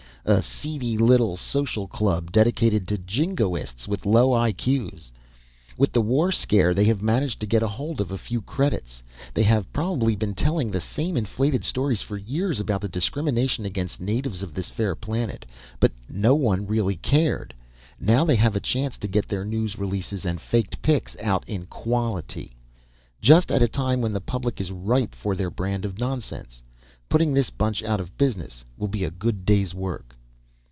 A seedy little social club, dedicated to jingoists with low I.Q.'s. With the war scare they have managed to get hold of a few credits. They have probably been telling the same inflated stories for years about the discrimination against natives of this fair planet, but no one has really cared. Now they have a chance to get their news releases and faked pix out in quantity. Just at a time when the public is ripe for their brand of nonsense. Putting this bunch out of business will be a good day's work."